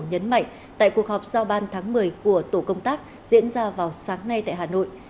nhấn mạnh tại cuộc họp giao ban tháng một mươi của tổ công tác diễn ra vào sáng nay tại hà nội